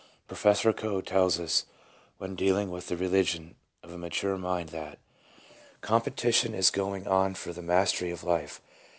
Professor Coe tells us when dealing with the religion of a mature mind that —" Competition is going on for the mastery of life.